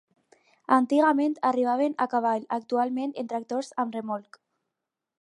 Antigament arribaven a cavall; actualment en tractors amb remolc.